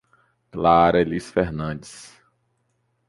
Clara Elis Fernandes